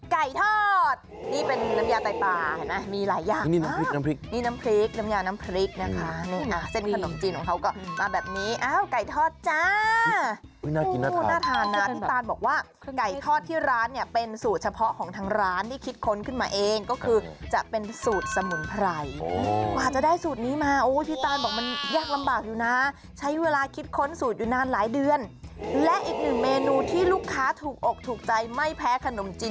ไก่ทอดนี่เป็นน้ำยาไต้ปลานะมีหลายอย่างน้ำพริกน้ำพริกน้ำพริกน้ำยาน้ำพริกนะคะนี่อ่ะเส้นขนมจีนของเขาก็มาแบบนี้อ้าวไก่ทอดจ้าน่ากินน่าทานน่ากินน่ากินน่าทานน่ากินน่ากินน่ากินน่ากินน่ากินน่ากินน่ากินน่ากินน่ากินน่ากินน่ากินน่ากินน่ากินน่ากินน่ากินน่ากินน่ากินน่ากินน่ากิน